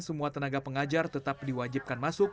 semua tenaga pengajar tetap diwajibkan masuk